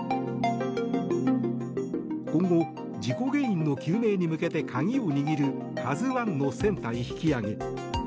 今後、事故原因の究明に向けて鍵を握る「ＫＡＺＵ１」の船体引き揚げ。